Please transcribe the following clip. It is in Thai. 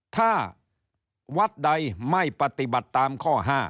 ถ้าวัดใดไม่ปฏิบัติตามข้อ๕